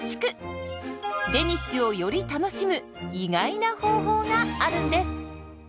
デニッシュをより楽しむ意外な方法があるんです。